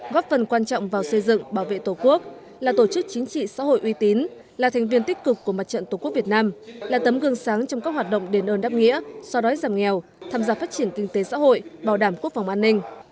góp phần quan trọng vào xây dựng bảo vệ tổ quốc là tổ chức chính trị xã hội uy tín là thành viên tích cực của mặt trận tổ quốc việt nam là tấm gương sáng trong các hoạt động đền ơn đáp nghĩa so đói giảm nghèo tham gia phát triển kinh tế xã hội bảo đảm quốc phòng an ninh